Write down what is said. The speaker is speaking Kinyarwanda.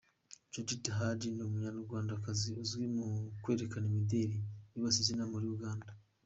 Judith Heard ni Umunyarwandakazi uzwi mu kwerekana imideli, yubatse izina muri Uganda.